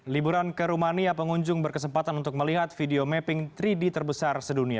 liburan ke rumania pengunjung berkesempatan untuk melihat video mapping tiga d terbesar sedunia